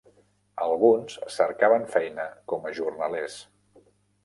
Alguns cercaven feina com a jornalers.